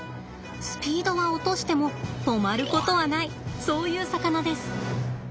スピードは落としても止まることはないそういう魚です。